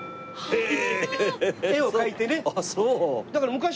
へえ。